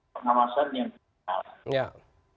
penawasan yang tinggal